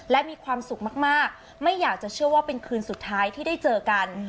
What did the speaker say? และมีความสุขมากไม่อยากจะเชื่อว่าเป็นคืนสุดท้ายที่ได้เจอกัน